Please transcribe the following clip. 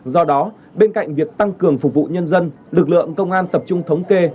do đó bên cạnh việc tăng cường phục vụ nhân dân lực lượng công an tập trung thống kê